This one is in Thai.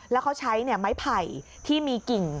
แล้วเขาใช้ไม้ไผ่ที่มีกิ่ง